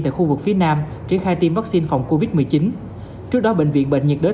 ở khu vực phía nam triển khai tiêm vắc xin phòng covid một mươi chín trước đó bệnh viện bệnh nhiệt đới